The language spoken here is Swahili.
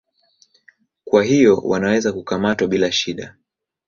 Kwa hivyo wanaweza kukamatwa bila shida.